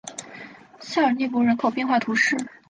塞尔涅博人口变化图示